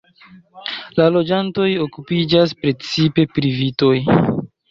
La loĝantoj okupiĝas precipe pri vitoj.